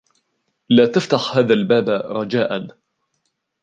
لا تفتح هذا الباب ، رجاءا.